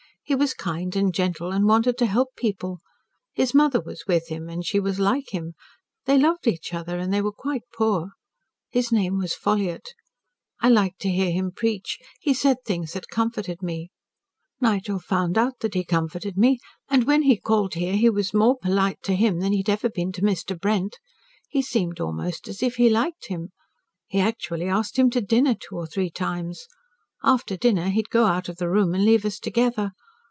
He was kind and gentle, and wanted to help people. His mother was with him and she was like him. They loved each other, and they were quite poor. His name was Ffolliott. I liked to hear him preach. He said things that comforted me. Nigel found out that he comforted me, and when he called here, he was more polite to him than he had ever been to Mr. Brent. He seemed almost as if he liked him. He actually asked him to dinner two or three times. After dinner, he would go out of the room and leave us together.